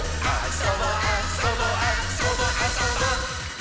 「そぼあそぼあそぼあそぼっ！」